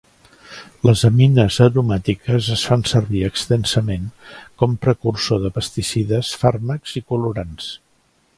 Les amines aromàtiques es fan servir extensament com precursor de pesticides, fàrmacs i colorants.